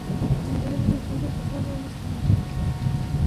A mitad de año, fue traspasado al Espanyol.